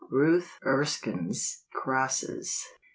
Ruth Erskine's Crosses.